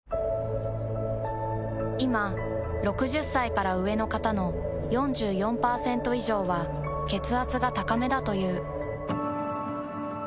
いま６０歳から上の方の４４％以上は血圧が高めだという。